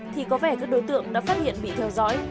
thì có vẻ các đối tượng đã phát hiện bị theo dõi